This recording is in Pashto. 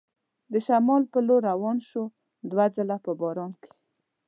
د شمال په لور روان شو، دوه ځله په باران کې.